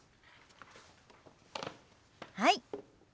はい。